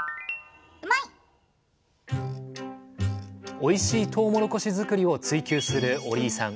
おいしいとうもろこし作りを追求する折井さん。